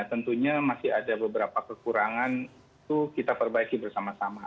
tentunya masih ada beberapa kekurangan itu kita perbaiki bersama sama